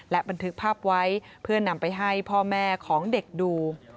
บันทึกภาพไว้เพื่อนำไปให้พ่อแม่ของเด็กดู